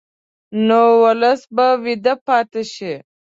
نو ولس به ویده پاتې شي.